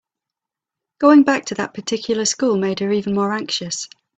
Going back to that particular school made her even more anxious.